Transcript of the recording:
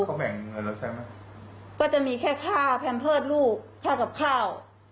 เขาแบ่งเงินเราใช้ไหมก็จะมีแค่ค่าแพมเพิร์ตลูกค่ากับข้าว